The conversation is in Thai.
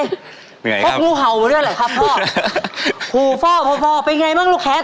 เป็นไงครับพ่อพบงูเห่ามาด้วยแหละครับพ่อพูดฟ่อไปยังไงบ้างลูกแคท